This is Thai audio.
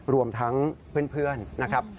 รวมทั้งเพื่อนนะครับ